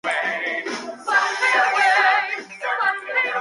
Vivió sus últimos años en Malibú, California.